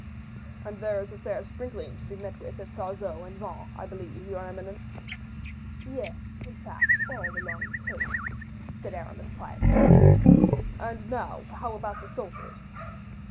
"And there is a fair sprinkling to be met with at Sarzeau and Vannes, I believe, your eminence?" "Yes; in fact all along the coast," said Aramis, quietly. "And now, how about the soldiers?"